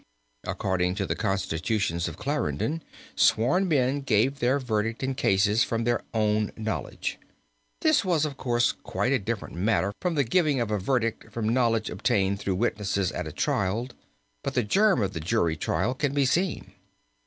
According to the Constitutions of Clarendon sworn men gave their verdict in cases from their own knowledge. This was, of course, quite a different matter from the giving of a verdict from knowledge obtained through witnesses at a trial, but the germ of the jury trial can be seen.